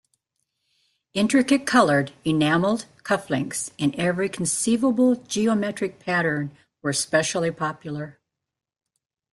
Intricate coloured enamelled cufflinks in every conceivable geometric pattern were especially popular.